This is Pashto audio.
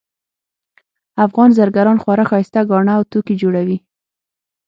افغان زرګران خورا ښایسته ګاڼه او توکي جوړوي